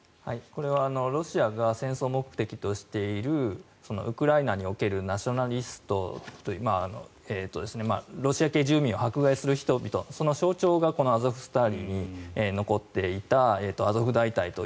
これはロシアが戦争目的としているウクライナにおけるナショナリストというロシア系住民を迫害する人々その象徴がこのアゾフスタリに残っていたアゾフ大隊と。